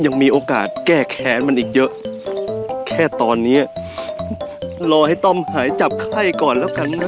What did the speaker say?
ยังมีโอกาสแก้แค้นมันอีกเยอะแค่ตอนเนี้ยรอให้ต้อมหายจับไข้ก่อนแล้วกันนะ